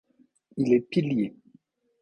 Il est pilier.